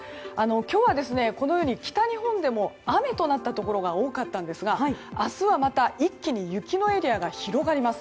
今日は北日本でも雨となったところが多かったんですが明日はまた一気に雪のエリアが広がります。